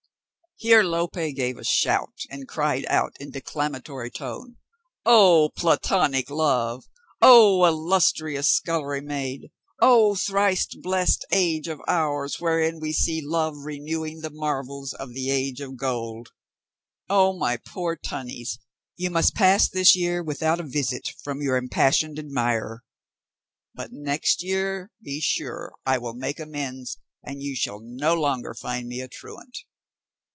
Here Lope gave a shout, and cried out in a declamatory tone, "O Platonic love! O illustrious scullery maid! O thrice blessed age of ours, wherein we see love renewing the marvels of the age of gold! O my poor tunnies, you must pass this year without a visit from your impassioned admirer, but next year be sure I will make amends, and you shall no longer find me a truant."